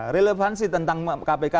relevansi tentang kpk